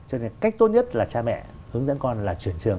cách tốt nhất là cha mẹ hướng dẫn con là chuyển trường